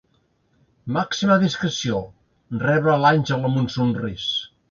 Màxima discreció, rebla l'Àngel amb un somrís.